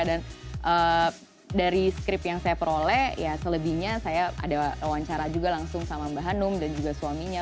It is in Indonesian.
dan dari skrip yang saya peroleh ya selebihnya saya ada wawancara juga langsung sama mbak hanum dan juga suaminya